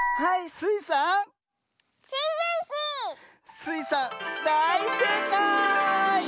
スイさんだいせいかい！